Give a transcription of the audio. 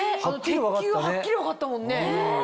鉄球はっきり分かったもんね。